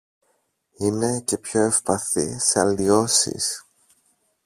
είναι και πιο ευπαθή σε αλλοιώσεις